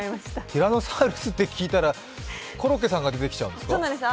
ティラノサウルスと聞いたら、コロッケさんが出てきちゃうんですか？